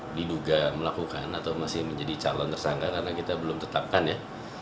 ini diduga melakukan atau masih menjadi calon tersangka karena kita belum tetapkan ya